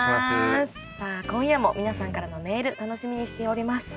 さあ今夜も皆さんからのメール楽しみにしております。